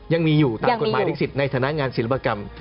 ยังมีอยู่ตามกฎหมายลิขสิทธิ์ในฐานะงานศิลปกรรม